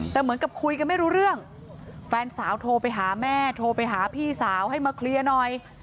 แต่เหมือนกับคุยกันไม่รู้เรื่องแฟนสาวโทรไปหาแม่โทรไปหาพี่สาวให้มาเคลียร์หน่อย